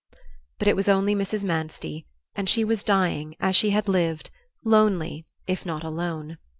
But it was only Mrs. Manstey; and she was dying, as she had lived, lonely if not alone.